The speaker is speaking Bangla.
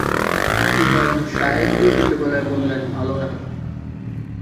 ইমাম সাহেব বিব্রত গলায় বললেন, ভালো না।